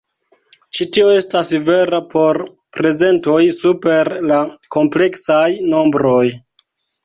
Ĉi tio estas vera por prezentoj super la kompleksaj nombroj.